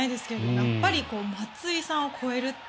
やっぱり松井さんを超えるって